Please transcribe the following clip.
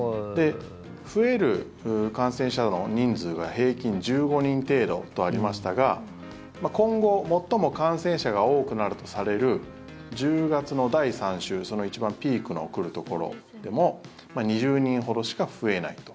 増える感染者の人数は平均１５人程度とありましたが今後、最も感染者が多くなるとされる１０月の第３週その一番ピークの来るところでも２０人ほどしか増えないと。